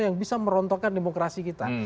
yang bisa merontokkan demokrasi kita